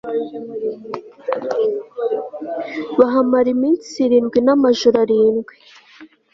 bahamara iminsi irindwi n'amajoro arindwi